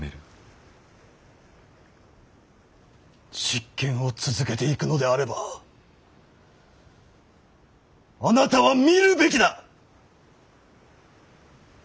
執権を続けていくのであればあなたは見るべきだ！